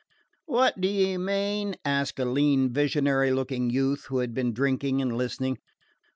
"What do you mean?" asked a lean visionary looking youth who had been drinking and listening.